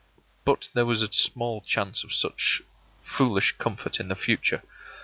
But there was small chance of such foolish comfort in the future.